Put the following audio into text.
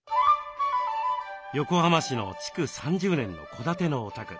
横浜市の築３０年の戸建てのお宅。